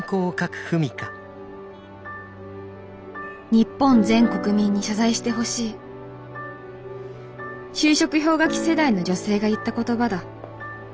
日本全国民に謝罪してほしい就職氷河期世代の女性が言った言葉だ。